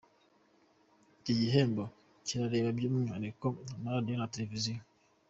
Iki gihembo kirareba by’umwihariko amaradiyo na Televiziyo.